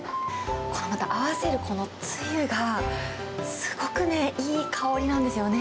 このまた合わせるこのつゆが、すごくね、いい香りなんですよね。